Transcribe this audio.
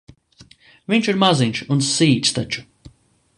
Viņš ir maziņš un sīks taču.